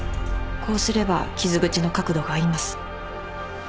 こうすれば傷口の角度が合います。